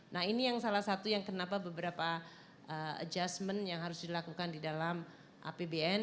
nah ini yang salah satu yang kenapa beberapa adjustment yang harus dilakukan di dalam apbn